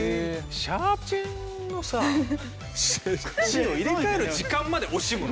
シャーペンのさ芯を入れ替える時間まで惜しむの？